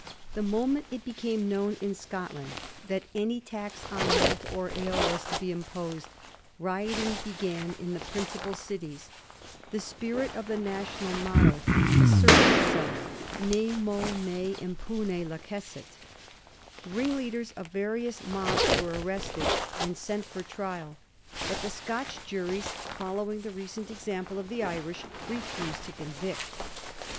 The moment it became known in Scotland that any tax on malt or ale was to be imposed, rioting began in the principal cities ; the spirit of the national motto asserted itself — 'nemo me impune lacessit.* The ringleaders of various mobs were arrested and Digiti zed by Google 1726 TROUBLES IN SCOTIAND. 327 salt for trial, but the Scotch juries, following the recent example of the Irish, refused to convict.